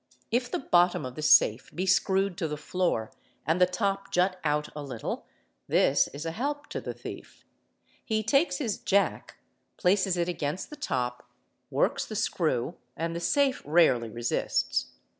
If the bottom of the safe be screwed to the floor and © the top jut out a little, this is a help to the thief; he takes his jack, places it against the top, works the screw, and the safe rarely resists.